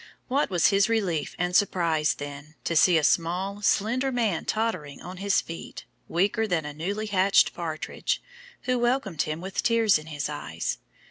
What was his relief and surprise, then, to see a "small, slender man, tottering on his feet, weaker than a newly hatched partridge," who welcomed him with tears in his eyes.